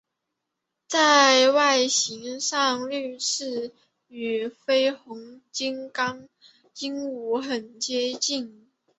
在外形上绿翅与绯红金刚鹦鹉很接近。